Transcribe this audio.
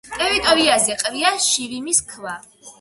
ტერიტორიაზე ყრია შირიმის ქვა.